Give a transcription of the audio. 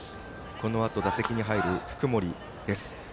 このあと打席に入る福盛です。